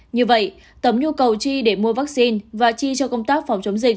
như vậy tấm nhu cầu chi để mua vaccine và chi cho công tác phòng chống dịch